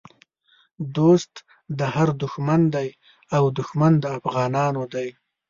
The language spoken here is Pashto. دوست د هر دښمن دی او دښمن د افغانانو دی